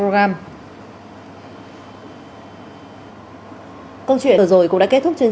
sài gòn petro cũng cho biết giá ga sp của các doanh nghiệp này